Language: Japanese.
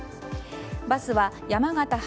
バスは山形発